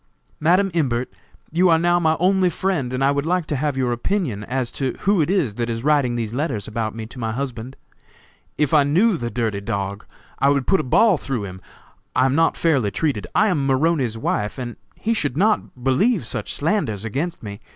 "Madam Imbert, you are now my only friend, and I would like to have your opinion as to who it is that is writing these letters about me to my husband. If I knew the dirty dog, I would put a ball through him. I am not fairly treated. I am Maroney's wife, and he should not believe such slanders against me.